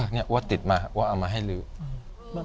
เนี่ยว่าติดมาว่าเอามาให้ลื้อน่ะ